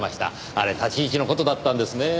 あれ立ち位置の事だったんですねぇ。